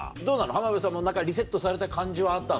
浜辺さんも何かリセットされた感じはあったの？